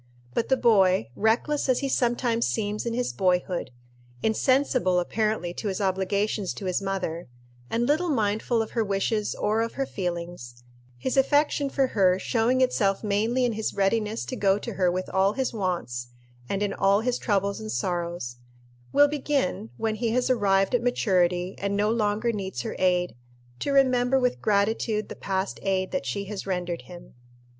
But the boy, reckless as he sometimes seems in his boyhood, insensible apparently to his obligations to his mother, and little mindful of her wishes or of her feelings his affection for her showing itself mainly in his readiness to go to her with all his wants, and in all his troubles and sorrows will begin, when he has arrived at maturity and no longer needs her aid, to remember with gratitude the past aid that she has rendered him.